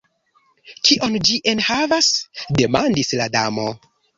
"Kion ĝi enhavas?" demandis la Damo.